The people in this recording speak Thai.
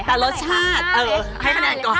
ให้๕เลย